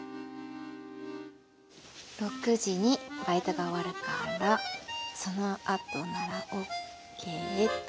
「６時にバイトが終わるからそのあとならオーケー」っと。